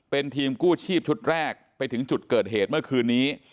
เป็นทีมกู้ชีพชุดแรกไปถึงจุดเกิดเหตุเมื่อคืนนี้